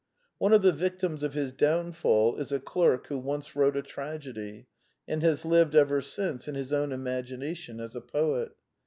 One of the victims of his downfall is a clerk who once wrote a tragedy, and has lived ever since in his own imagination as a poet.